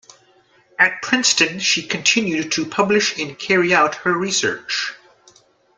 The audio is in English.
At Princeton she continued to publish and carry out her research.